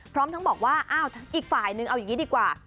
พร้อมทั้งบอกว่าอ้าวอีกฝ่ายนึงเอาอย่างนี้ดีกว่า